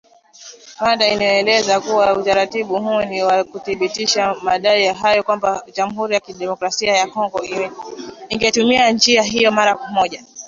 Rwanda imeeleza kuwa utaratibu huu ni wa kuthibitisha madai hayo na kwamba Jamhuri ya Kidemokrasia ya Kongo ingetumia njia hiyo mara moja